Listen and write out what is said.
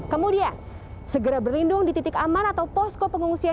kemudian segera berlindung di titik aman atau posko pengungsian